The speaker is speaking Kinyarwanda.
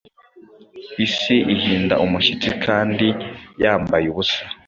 Isi ihinda umushyitsi kandi yambaye ubusa